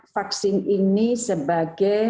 vaksin ini sebagai